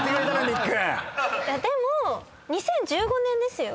でも２０１５年ですよ？